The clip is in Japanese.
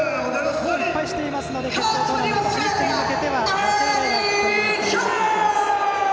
もう１敗していますので決勝トーナメント進出に向けては負けられない一戦になってきます。